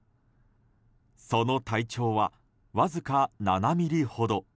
その体長は、わずか７ｍｍほど。